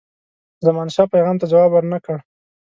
زمانشاه پیغام ته جواب ورنه کړ.